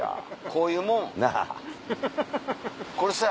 こういうもん。なぁ。